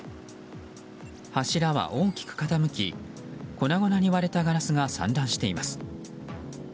柱は大きく傾き粉々に割れたガラスが散乱しています。